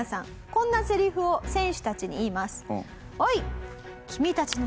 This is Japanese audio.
こんなセリフを選手たちに言います。